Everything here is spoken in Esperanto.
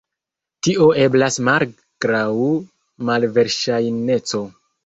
Tio eblas malgraŭ malverŝajneco.